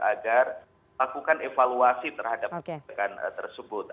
agar lakukan evaluasi terhadap kebijakan tersebut